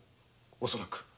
恐らく。